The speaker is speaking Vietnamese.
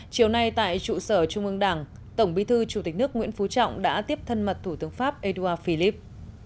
chiều nay tại trụ sở trung ương đảng tổng bí thư chủ tịch nước nguyễn phú trọng đã tiếp thân mật thủ tướng pháp edouard philip